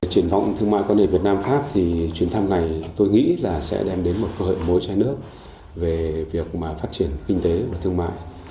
triển vọng thương mại quan hệ việt nam pháp thì chuyến thăm này tôi nghĩ là sẽ đem đến một cơ hội mới cho nước về việc phát triển kinh tế và thương mại